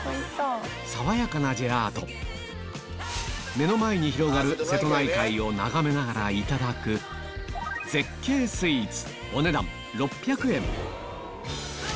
目の前に広がる瀬戸内海を眺めながらいただく絶景スイーツ